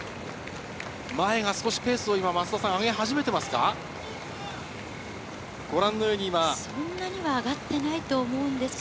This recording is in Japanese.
前が少しペースを上げてきていますか。